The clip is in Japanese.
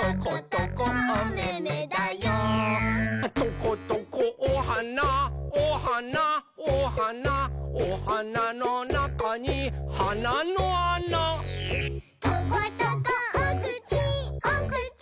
「トコトコおはなおはなおはなおはなのなかにはなのあな」「トコトコおくちおくち